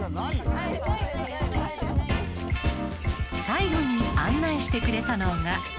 最後に案内してくれたのが。